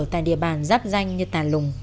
tại địa bàn giáp danh như tàn lùng